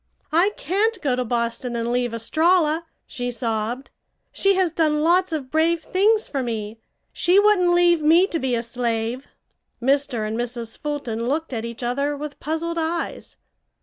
"I can't go to Boston and leave Estralla!" she sobbed. "She has done lots of brave things for me. She wouldn't leave me to be a slave." Mr. and Mrs. Fulton looked at each other with puzzled eyes.